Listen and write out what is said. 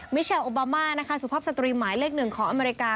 มิเชลล์โอบามาสภาพสตรีหมายเลขหนึ่งของอเมริกา